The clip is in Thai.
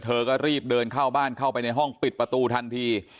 เธอก็รีบเดินเข้าบ้านเข้าไปในห้องปิดประตูทันที